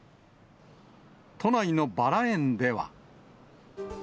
都内のバラ園では。